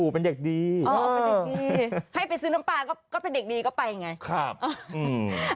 ไปซื้อน้ำปลาก็ก็เป็นเด็กดีก็ไปไงครับอืม